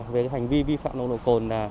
về hành vi vi phạm lồng độ cồn